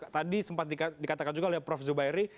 tadi sempat dikatakan juga oleh prof zubairi